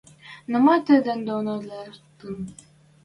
Но ма тӹдӹн доно лиӓлтӹн?